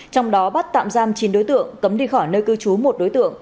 trong đó bắt tạm giam chín đối tượng cấm đi khỏi nơi cư trú một đối tượng